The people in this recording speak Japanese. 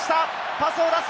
パスを出す！